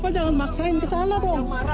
bapak jangan dimaksain ke sana dong